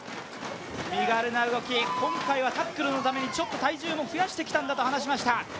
身軽な動き、今回はタックルのためにちょっと体重も増やしてきたんだと話しました。